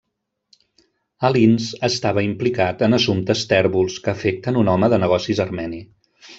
Alins estava implicat en assumptes tèrbols que afecten un home de negocis armeni.